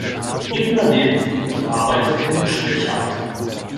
Ebner lebt und arbeitet in Schwechat.